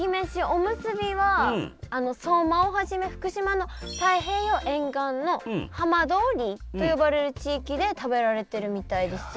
おむすびは相馬をはじめ福島の太平洋沿岸の浜通りと呼ばれる地域で食べられてるみたいです。